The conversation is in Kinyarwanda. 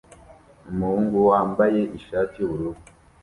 Umuhungu wambaye ishati yubururu